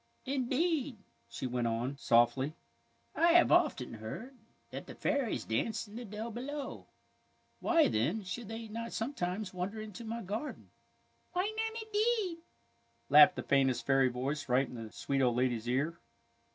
" Indeed," she went on, softly, " I have often heard that the fairies dance in the dell below. Why, then, should they not sometimes wander into my garden? "" Why not, indeed? " laughed the faintest fairy voice right in the sweet old lady's ear.